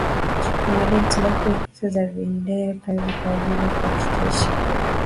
ngalia hitilafu hizo za vitendea kazi kwa ajili ya kuhakikisha